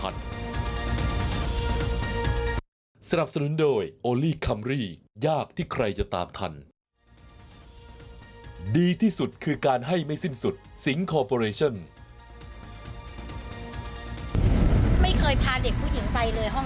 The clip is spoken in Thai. ดีที่สุดคือการให้ไม่สิ้นสุดสิงค์คอร์ปอเรชเช่น